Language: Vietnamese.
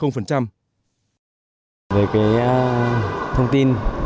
về cái thông tin